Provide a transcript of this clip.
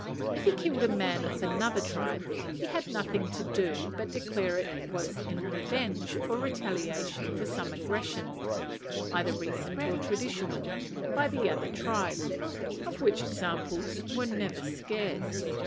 If he killed a man of another tribe, he had nothing to do but declare it was in revenge or retaliation for some aggression, either recent or traditional, by the other tribe; of which examples were never scarce.